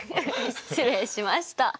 失礼しました。